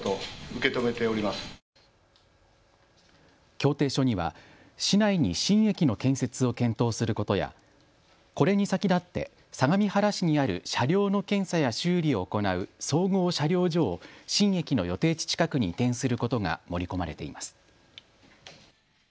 協定書には市内に新駅の建設を検討することやこれに先立って相模原市にある車両の検査や修理を行う総合車両所を新駅の予定地近くに移転することが盛り込まれています。